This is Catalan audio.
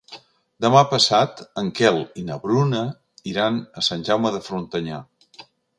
Demà passat en Quel i na Bruna iran a Sant Jaume de Frontanyà.